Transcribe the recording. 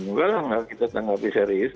nggak lah kita tanggapi serius